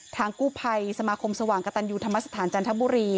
ทางกู้ภัยสมาคมสว่างกระตันยูธรรมสถานจันทบุรี